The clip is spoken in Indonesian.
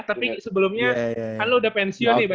tapi sebelumnya kan lo udah pensiun nih by the way